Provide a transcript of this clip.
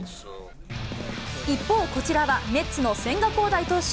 一方、こちらはメッツの千賀滉大投手。